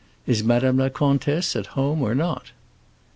"Is Madame la Comtesse at home, or not?"